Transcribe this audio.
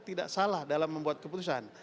tidak salah dalam membuat keputusan